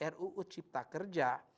ruu cipta kerja